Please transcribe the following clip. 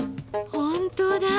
本当だ。